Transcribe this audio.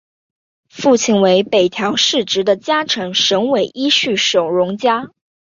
父亲为北条氏直的家臣神尾伊予守荣加。